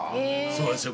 そうなんですよ